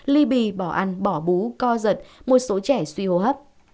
ly bì bỏ ăn bỏ bú co giật một số trẻ suy hô hấp